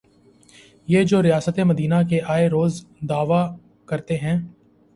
یہ جو ریاست مدینہ کا آئے روز دعوی کرتے ہیں۔